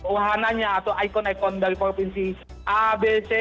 wahananya atau ikon ikon dari provinsi a b c